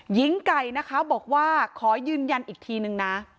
หญิงไก่นะคะบอกว่าขอยืนยันอีกทีนึงนะ